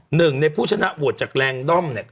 หนึ่งในผู้ชนะโหวตจากแรงด้อมเนี่ย